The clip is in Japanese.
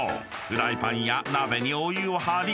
フライパンや鍋にお湯を張り